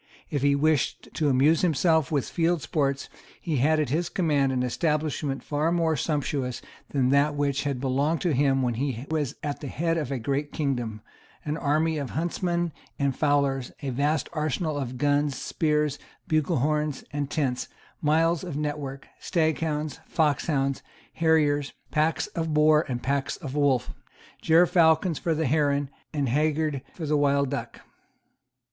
If he wished to amuse himself with field sports, he had at his command an establishment far more sumptuous than that which had belonged to him when he was at the head of a great kingdom, an army of huntsmen and fowlers, a vast arsenal of guns, spears, buglehorns and tents, miles of network, staghounds, foxhounds, harriers, packs for the boar and packs for the wolf, gerfalcons for the heron and haggards for the wild duck.